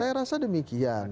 saya rasa demikian